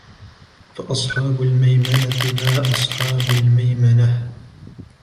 فَأَصْحَابُ الْمَيْمَنَةِ مَا أَصْحَابُ الْمَيْمَنَةِ